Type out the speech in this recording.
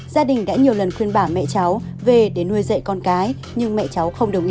gia đình đã nhiều lần khuyên bà mẹ cháu về để nuôi dậy con cái nhưng mẹ cháu không đồng ý